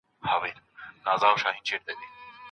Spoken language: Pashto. پر سیاسي څېړنو باندې تل شک سوی دی.